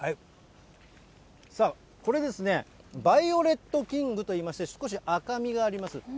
さあ、これですね、バイオレットキングといいまして、少し赤みがあります。